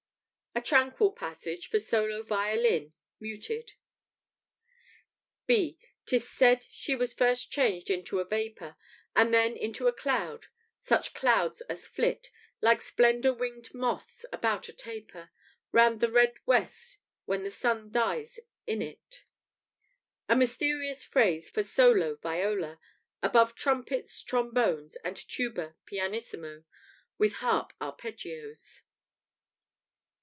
[A tranquil passage for solo violin, muted.] (B) "'Tis said, she was first changed into a vapour, And then into a cloud, such clouds as flit, Like splendour winged moths about a taper, Round the red west when the sun dies in it;" [A mysterious phrase for solo viola, above trumpets, trombones, and tuba pianissimo, with harp arpeggios.